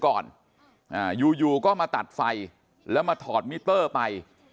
โกรธที่เจ้าหน้าที่แม่งเตือนก่อนอ่าอยู่ก็มาตัดไฟและมาถอดมิเตอร์ไป